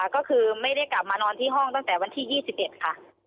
ก็คือไม่ได้กลับมานอนที่ห้องตั้งแต่วันที่๒๑ค่ะ